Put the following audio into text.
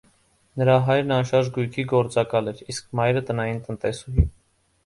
Նրա հայրն անշարժ գույքի գործակալ էր, իսկ մայրը՝ տնային տնտեսուհի։